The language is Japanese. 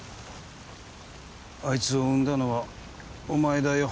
あいつを生んだのはお前だよ